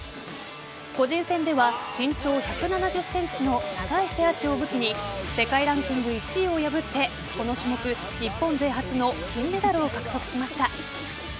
個人戦では身長１７０ｃｍの長い手足を武器に世界ランキング１位を破ってこの種目日本勢初の金メダルを獲得しました。